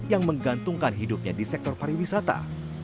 yang menggantungkan hidupnya di sektor pariwisata